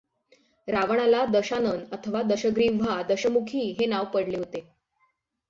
रावणाला दशानन अथवा दशग्रीव्हा दशमुखी हे नांव पडले होते.